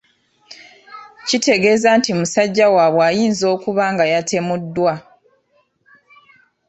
Kitegeeeza nti musajja waabwe ayinza okuba nga yatemuddwa.